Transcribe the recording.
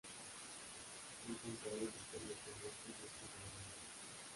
Fue encontrado independientemente en otros lugares del mundo.